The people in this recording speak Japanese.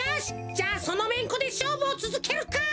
じゃあそのめんこでしょうぶをつづけるか！